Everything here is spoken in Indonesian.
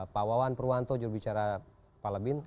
pak wawan purwanto jurubicara pahlebin